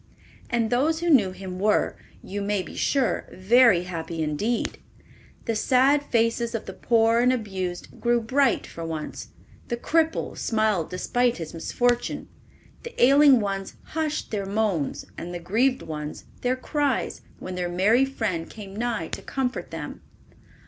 And those who knew him were, you may be sure, very happy indeed. The sad faces of the poor and abused grew bright for once; the cripple smiled despite his misfortune; the ailing ones hushed their moans and the grieved ones their cries when their merry friend came nigh to comfort them.